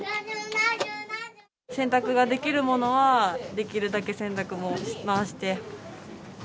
洗濯ができるものはできるだけ洗濯も回して。